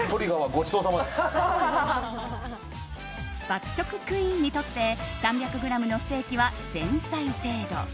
爆食クイーンにとって３００ｇのステーキは前菜程度。